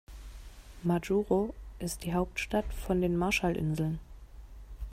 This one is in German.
Majuro ist die Hauptstadt von den Marshallinseln.